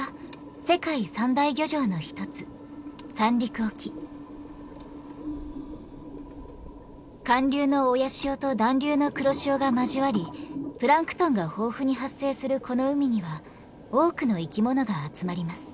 ここは寒流の親潮と暖流の黒潮が交わりプランクトンが豊富に発生するこの海には多くの生き物が集まります。